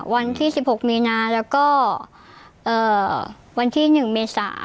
วันที่๑๖มีนาแล้วก็วันที่๑เมษา